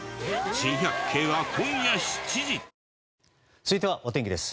続いてはお天気です。